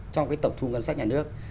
trong cái tổng thu ngân sách nhà nước